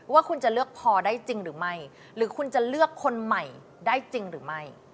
ว่าคุณจะเลือกพอได้จริงหรือไม่หรือคุณจะเลือกคนใหม่ได้จริงหรือไม่